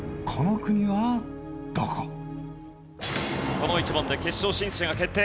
この１問で決勝進出者が決定。